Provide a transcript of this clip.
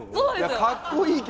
かっこいいけど。